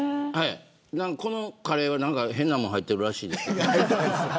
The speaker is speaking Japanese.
このカレーは何か変なもの入ってるらしい。